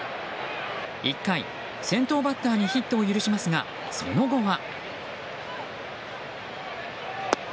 １回、先頭バッターにヒットを許しますがその後は。